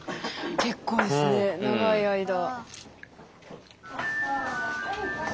結構ですね長い間。